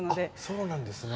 そうなんですね。